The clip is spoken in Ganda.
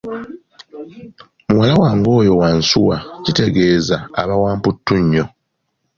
Muwala wange oyo wansuwa kitegeza aba wa mputtu nnyo.